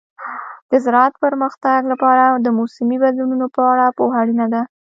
د زراعت پرمختګ لپاره د موسمي بدلونونو په اړه پوهه اړینه ده.